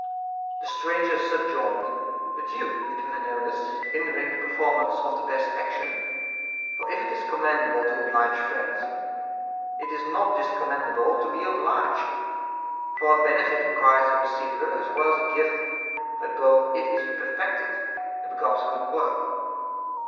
The stranger subjoined : But you, Epaminondas, hinder the performance of the best action ; for if it is commend able to oblige friends, it is not discommendable to be obliged ; for a benefit requires a receiver as well as a giver ; by both it is perfected, and becomes a good work.